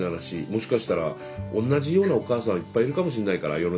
もしかしたら同じようなお母さんいっぱいいるかもしんないから世の中に。